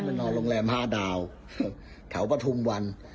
แบบนอนโรงแรม๕ดาวเขาประทุมวัน